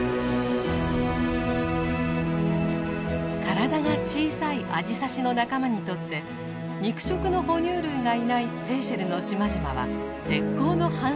体が小さいアジサシの仲間にとって肉食の哺乳類がいないセーシェルの島々は絶好の繁殖地。